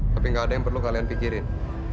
tapi tidak ada yang perlu kalian pikirkan